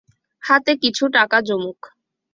হাতে কিছু টাকা জমুক।